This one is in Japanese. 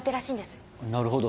なるほど。